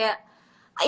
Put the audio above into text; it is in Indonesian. ikuti anjuran pemerintah